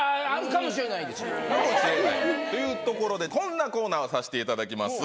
かもしれないというところでこんなコーナーをさせていただきます。